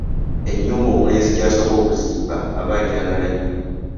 Ennyumba omulenzi gy’asooka okuzimba aba ajaagala nnyo.